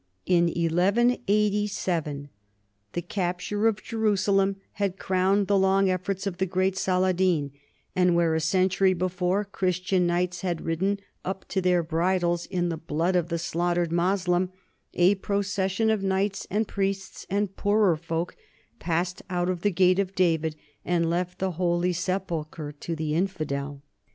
In 128 NORMANS IN EUROPEAN HISTORY 1187 the capture of Jerusalem had crowned the long efforts of the great Saladin, and where a century before Christian knights had ridden " up to their bridles " in the blood of the slaughtered Moslem, a procession of knights and priests and poorer folk passed out of the gate of David and left the Holy Sepulchre to the infidel.